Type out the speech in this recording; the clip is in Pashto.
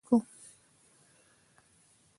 سلیمان آرین به د پښتو ژبې لپاره تر خپل وس کوشش کوم.